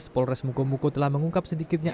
polres mukomuko telah mengungkap sedikitnya